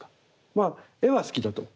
まあ絵は好きだと。